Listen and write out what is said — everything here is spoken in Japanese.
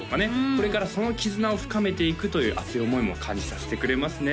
これからその絆を深めていくという熱い思いも感じさせてくれますね